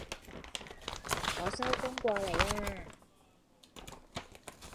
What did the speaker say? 我收工過嚟呀